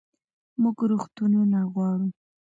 موږ روغتونونه غواړو